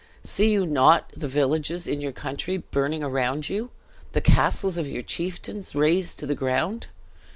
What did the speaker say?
See you not the villages of your country burning around you? the castles of your chieftains razed to the ground?